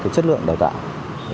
chất lượng đào tạo